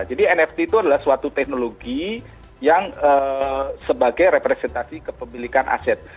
jadi nft itu adalah suatu teknologi yang sebagai representasi kepemilikan aset